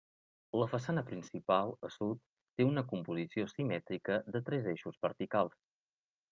La façana principal, a sud, té una composició simètrica de tres eixos verticals.